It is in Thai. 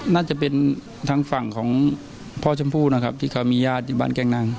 น่าจะเป็นทางฝั่งของพ่อชมพู่นะครับที่เขามีญาติอยู่บ้านแก่งนาง